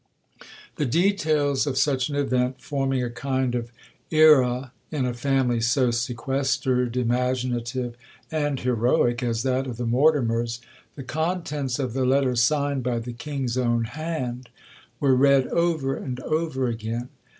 'The details of such an event forming a kind of era in a family so sequestered, imaginative, and heroic, as that of the Mortimers, the contents of the letter signed by the King's own hand were read over and over again.